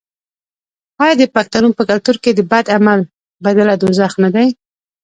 آیا د پښتنو په کلتور کې د بد عمل بدله دوزخ نه دی؟